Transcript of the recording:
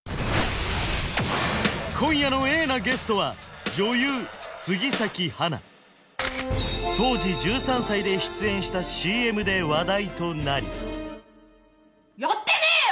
今夜のＡなゲストは女優・杉咲花当時１３歳で出演したＣＭで話題となりやってねえよ！